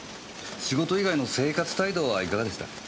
仕事以外の生活態度はいかがでした？